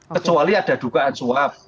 kecuali ada dugaan suap